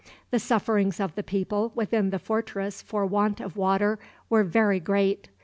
The sufferings of the people within the fortress for want of water were very great.